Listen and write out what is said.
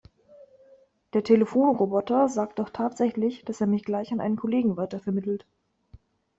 Der Telefonroboter sagt doch tatsächlich, dass er mich gleich an einen Kollegen weitervermittelt.